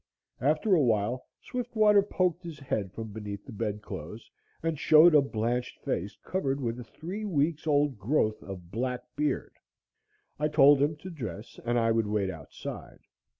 After a while, Swiftwater poked his head from beneath the bed clothes and showed a blanched face covered with a three weeks' old growth of black beard. I told him to dress and I would wait outside.